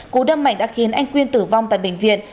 cú đâm mạnh đã khiến anh quyên tử vong tại bệnh viện